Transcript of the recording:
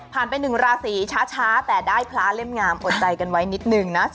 ไป๑ราศีช้าแต่ได้พระเล่มงามอดใจกันไว้นิดนึงนะ